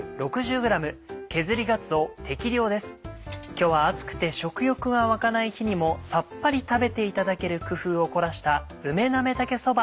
今日は暑くて食欲が湧かない日にもさっぱり食べていただける工夫を凝らした「梅なめたけそば」